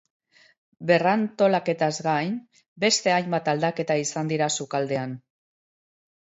Berrantolaketaz gain, beste hainbat aldaketa izan dira sukaldean.